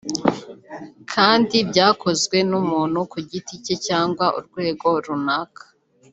kandi byakozwe n’umuntu ku giti cye cyangwa urwego runaka